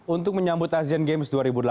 untuk menyambut asian games dua ribu delapan belas